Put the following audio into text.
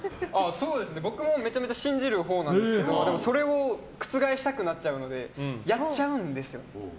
僕もめちゃくちゃ信じるほうなんですけどそれを覆したくなるのでやっちゃうんですよ。